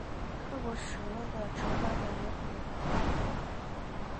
各国使用的乘法表有可能不太一样。